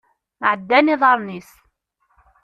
Ɛeddan iḍarren-is.